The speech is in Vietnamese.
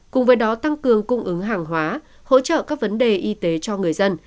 cùng với đó tăng cường cung ứng hàng hóa hỗ trợ các vấn đề y tế cho người dân